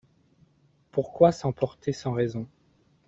Pourquoi s’emporter sans raison ?